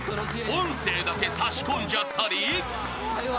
［音声だけ差し込んじゃったり］